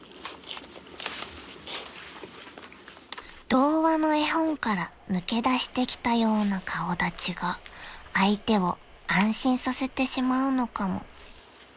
［童話の絵本から抜け出してきたような顔立ちが相手を安心させてしまうのかも］